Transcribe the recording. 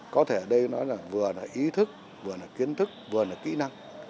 có thể ở đây nói là vừa là ý thức vừa là kiến thức vừa là kỹ năng